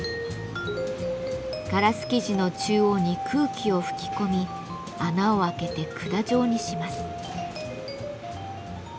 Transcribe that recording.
ガラス素地の中央に空気を吹き込み穴を開けて管状にします。